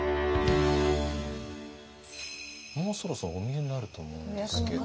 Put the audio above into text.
もうそろそろお見えになると思うんですけど。